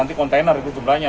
nanti kontainer itu jumlahnya